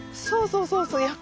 そうそうそうそう。